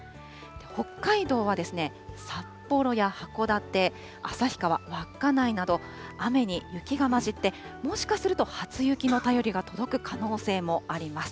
北海道は札幌や函館、旭川、稚内など、雨に雪がまじって、もしかすると初雪の便りが届く可能性もあります。